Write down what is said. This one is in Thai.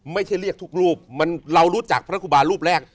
ไม่ใช่เรียกทุกรูปเรารู้จักพระครูบารูปแรก